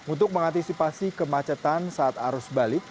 untuk mengantisipasi kemacetan saat arus balik